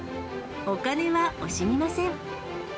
お金は惜しみません。